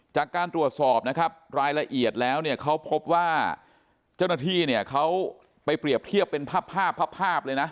จากการตรวจสอบนะครับรายละเอียดแล้วเนี่ยเขาพบว่าเจ้าหน้าที่เนี่ยเขาไปเปรียบเทียบเป็นภาพภาพเลยนะ